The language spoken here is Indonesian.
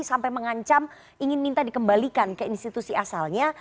sampai mengancam ingin minta dikembalikan ke institusi asalnya